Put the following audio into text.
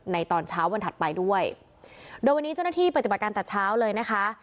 ตอนเช้าวันถัดไปด้วยโดยวันนี้เจ้าหน้าที่ปฏิบัติการแต่เช้าเลยนะคะ